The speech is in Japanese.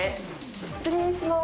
失礼します。